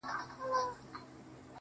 زه په دې خپل سركــي اوبـــه څـــښـمــه.